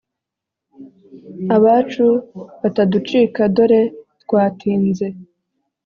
abacu bataducika dore twatinze